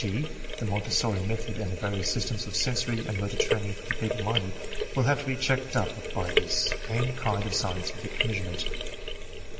g., the Montessori method and the various systems of sensory and motor training for the feeble minded), will have to be checked up by the same kind of scientific measurement.